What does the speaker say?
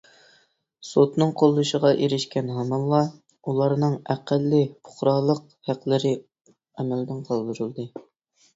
سوتنىڭ قوللىشىغا ئېرىشكەن ھامانلا، ئۇلارنىڭ ئەقەللىي پۇقرالىق ھەقلىرى ئەمەلدىن قالدۇرۇلىدۇ.